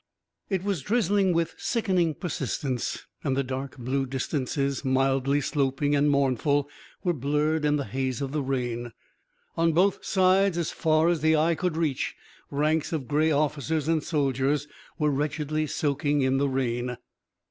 It was drizzling with sickening persistence, and the dark blue distances, mildly sloping and mournful, were blurred in the haze of the rain. On both sides, as far as eye could reach, ranks of grey officers and soldiers were wretchedly soaking in the rain.